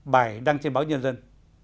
bài đăng trên báo nhân dân